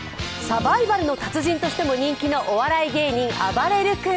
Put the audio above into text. サバイバルの達人としても人気のお笑い芸人・あばれる君。